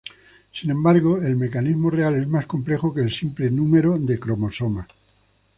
Sin embargo, el mecanismo real es más complejo que el simple número de cromosomas.